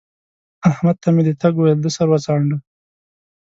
احمد ته مې د تګ وويل؛ ده سر وڅانډه